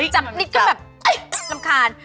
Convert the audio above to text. จับนิดก็แบบรำคาญ